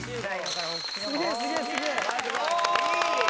いい！